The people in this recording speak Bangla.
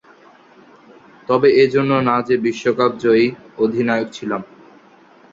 তবে এ জন্য না যে, বিশ্বকাপজয়ী অধিনায়ক ছিলাম।